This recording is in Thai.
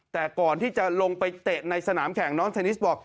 แต่ก่อนที่จะลงไปเตะในสนามแข่งน้องเทนนิสบอก